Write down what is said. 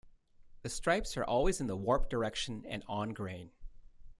The stripes are always in the warp direction and ongrain.